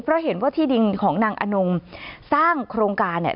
เพราะเห็นว่าที่ดินของนางอนงสร้างโครงการเนี่ย